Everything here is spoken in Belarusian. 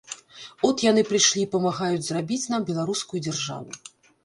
От яны прыйшлі і памагаюць зрабіць нам беларускую дзяржаву.